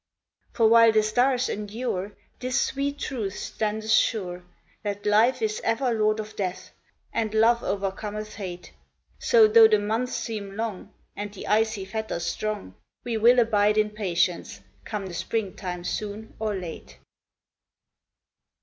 For while the stars endure This sweet truth standeth sure, That life is ever lord of death, and love o'ercometh hate. So, though the months seem long, And the icy fetters strong, We will abide in patience, come the springtime soon or late.